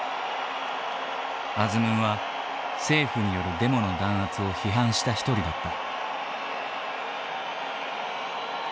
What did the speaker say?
アズムンは政府によるデモの弾圧を批判した一人だった。